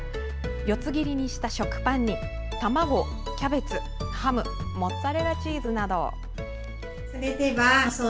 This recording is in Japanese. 四つ切りにした食パンに卵、キャベツ、ハムモッツァレラチーズなど。